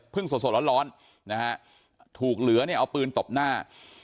สดร้อนนะฮะถูกเหลือเนี่ยเอาปืนตบหน้า